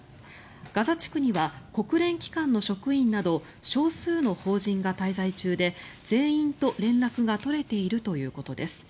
ガザ地区には国連機関の職員など少数の邦人が滞在中で全員と連絡が取れているということです。